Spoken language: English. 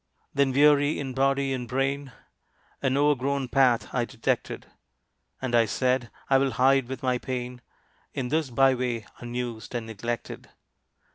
Then weary in body and brain, An overgrown path I detected, And I said "I will hide with my pain In this by way, unused and neglected."